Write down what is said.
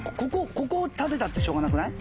ここを立てたってしょうがなくない？